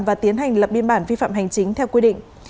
và tiến hành lập biên bản vi phạm hành chính theo quy định